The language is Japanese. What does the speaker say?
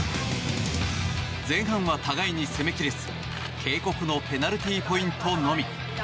前半は互いに攻め切れず警告のペナルティーポイントのみ。